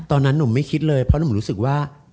ตอนนั้นหนุ่มไม่คิดเลยเพราะหนุ่มรู้สึกว่า